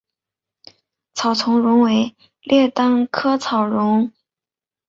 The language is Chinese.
草苁蓉为列当科草苁蓉属下的一个种。